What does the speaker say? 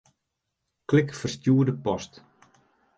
Klik Ferstjoerde post.